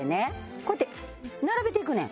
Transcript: こうやって並べていくねん。